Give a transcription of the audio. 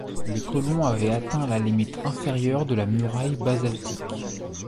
Les colons avaient atteint la limite inférieure de la muraille basaltique.